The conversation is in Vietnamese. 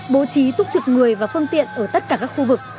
bố trí túc trực người và phương tiện ở tất cả các khu vực